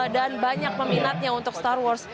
dan banyak meminatnya untuk star wars